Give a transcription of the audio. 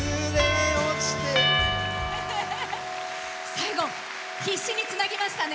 最後必死につなぎましたね。